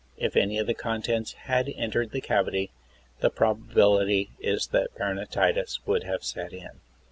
If any of the contents had entered the cavity the probability is that peritonitis would have set in.